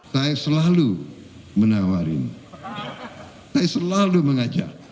saya selalu menawarin saya selalu mengajar